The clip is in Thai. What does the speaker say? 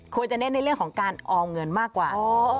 เน้นในเรื่องของการออมเงินมากกว่า